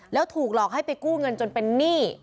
แล้วถูกหลอกให้ไปกู้เงินจนเป็นหนี้